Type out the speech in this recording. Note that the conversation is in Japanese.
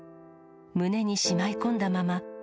胸にしまい込んだまま